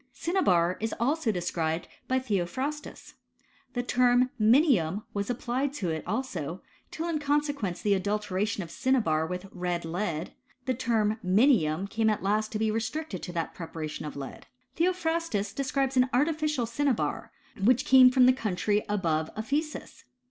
Cinnabar is also described *by Theophrastus. The I term mtntum was applied to it also, till in consequence of the adulteration of cinnabar with red lead, the term minium came at last to be restricted to that pre I paration of lead. Theophrastus describes an artificial I cinnabar, which came from the country above Ephesus.